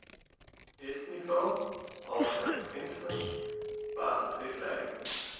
Eerste niveau: algemene beginselen, basisrichtlijnen.